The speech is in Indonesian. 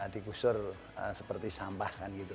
dikusur seperti sampah kan gitu